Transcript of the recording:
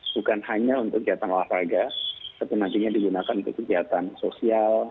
bukan hanya untuk kegiatan olahraga tapi nantinya digunakan untuk kegiatan sosial